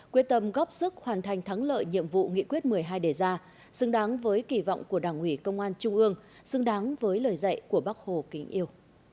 quyết tâm góp sức hoàn thành thắng lợi nhiệm vụ nghị quyết một mươi hai đề ra xứng đáng với kỳ vọng của đảng ủy công an trung ương xứng đáng với lời dạy của bác hồ kính yêu